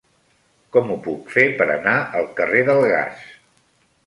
Com ho puc fer per anar al carrer del Gas?